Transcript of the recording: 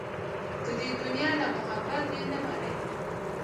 د دې دنيا نه محبت دې نه مري